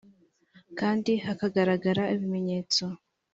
kandi hakagaragara ibimenyetso